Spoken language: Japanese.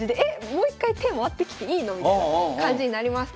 もう一回手回ってきていいの？みたいな感じになります。